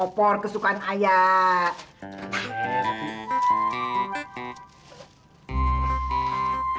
opor kesukaan ayah